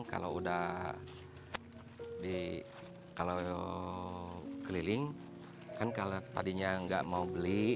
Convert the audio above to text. kalau udah kalau keliling kan kalau tadinya nggak mau beli